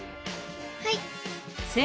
はい。